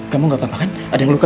kamu gak apa apa kan ada yang luka